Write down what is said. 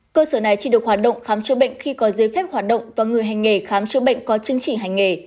cơ sở này chỉ được hoạt động khám chữa bệnh khi có giấy phép hoạt động và người hành nghề khám chữa bệnh có chứng chỉ hành nghề